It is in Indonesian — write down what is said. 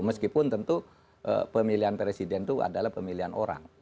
meskipun tentu pemilihan presiden itu adalah pemilihan orang